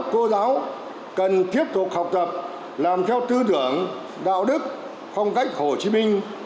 cô giáo cần tiếp tục học tập làm theo tư tưởng đạo đức phong cách hồ chí minh